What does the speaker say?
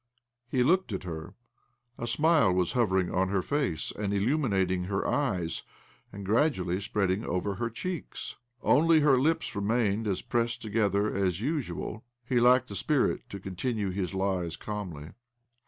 He looked at her. A smile was hovering on her face, and illuminating her eyes, and gradually spreading over her cheeks. Only her lips remained as pressed together as usual. He lacked the spirit to continue his lies calmly.